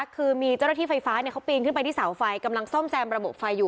คือมีเจ้าหน้าที่ไฟฟ้าเขาปีนขึ้นไปที่เสาไฟกำลังซ่อมแซมระบบไฟอยู่